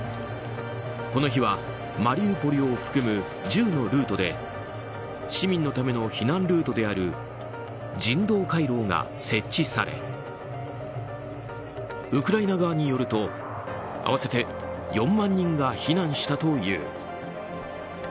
この日は、マリウポリを含む１０のルートで市民のための避難ルートである人道回廊が設置されウクライナ側によると合わせて４万人が避難したという。